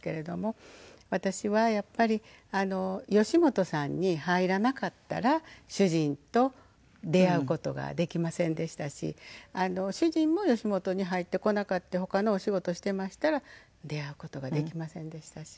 私はやっぱり吉本さんに入らなかったら主人と出会う事ができませんでしたし主人も吉本に入ってこなかって他のお仕事してましたら出会う事ができませんでしたし。